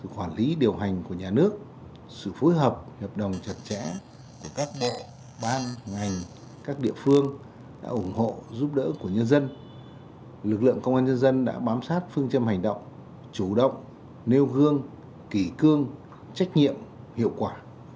kỷ cương trách nhiệm hiệu quả